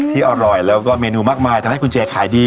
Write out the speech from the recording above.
อร่อยแล้วก็เมนูมากมายทำให้คุณเจขายดี